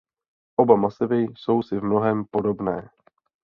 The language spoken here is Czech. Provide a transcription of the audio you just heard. Oba masivy jsou si v mnohém podobné.